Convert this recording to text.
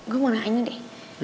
gue mau nanya deh